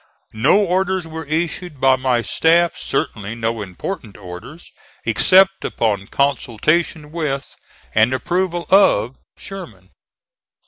No orders were issued by my staff, certainly no important orders, except upon consultation with and approval of Sherman.